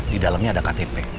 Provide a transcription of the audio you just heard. di dalamnya ada ktp